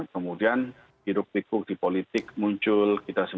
kemudian hidup tikuk di politik muncul